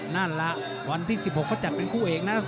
นั่นแหละวันที่๑๖เขาจัดเป็นคู่เอกนะ